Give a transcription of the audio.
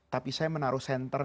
tapi saya menaruh senter